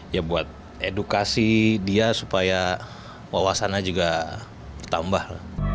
ya buat edukasi dia supaya wawasannya juga bertambah lah